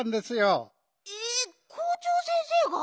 えっ校長先生が？